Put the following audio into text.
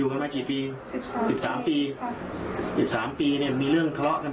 กันมากี่ปีสิบสามสิบสามปีสิบสามปีเนี่ยมีเรื่องทะเลาะกัน